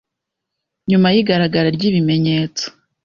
Nyuma y’igaragara ry’ibimenyenyetso